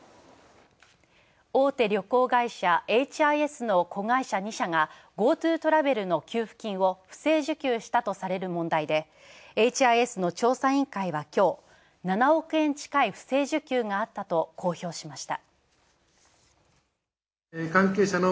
大手旅行会社エイチ・アイ・エスの子会社２社が「ＧｏＴｏトラベル」の給付金を不正受給したとされる問題でエイチ・アイ・エスの調査委員会はきょう、７億円近い不正受給があったと公表しました。